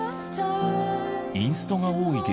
インストが多い劇